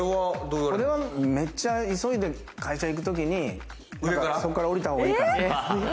これはめっちゃ急いで会社行くときにそっから降りたほうがいいかなって。